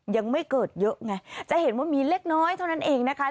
ยังไม่เกิดเยอะไงจะเห็นว่ามีเล็กน้อยเท่านั้นเองนะคะ